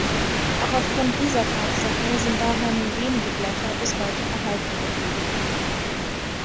Auch aufgrund dieser Tatsache sind daher nur wenige Blätter bis heute erhalten geblieben.